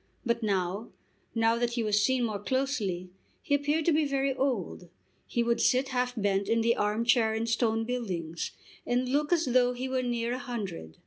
But now, now that he was seen more closely, he appeared to be very old. He would sit half bent in the arm chair in Stone Buildings, and look as though he were near a hundred.